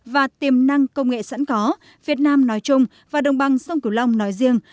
và tiềm năng công nghệ sẵn có việt nam nói chung và đồng bằng sông cửu long nói riêng